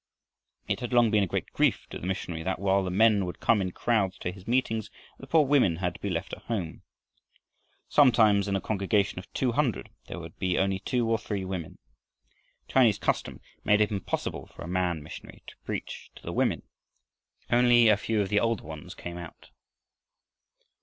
It had long been a great grief to the missionary that, while the men would come in crowds to his meetings, the poor women had to be left at home. Sometimes in a congregation of two hundred there would be only two or three women. Chinese custom made it impossible for a man missionary to preach to the women. Only a few of the older ones came out.